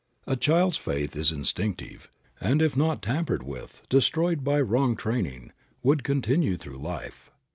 A child's faith is instinctive, and if not tampered with, destroyed by wrong training, would continue through life.